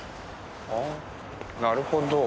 ああなるほど。